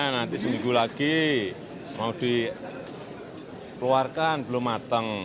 nanti seminggu lagi mau dikeluarkan belum matang